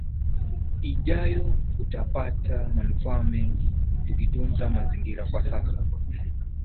ijao kutapata manufaa mengi tukitunza mazingira kwa sasa